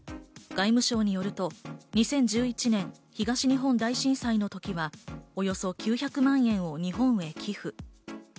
外務省によると２０１１年、東日本大震災の時はおよそ９００万円を日本へ寄付。